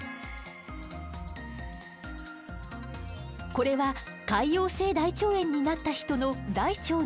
これは潰瘍性大腸炎になった人の大腸の中。